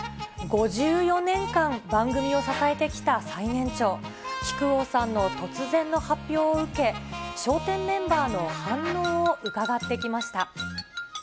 ５４年間、番組を支えてきた最年長、木久扇さんの突然の発表を受け、笑点メンバーの反応を伺ってきました。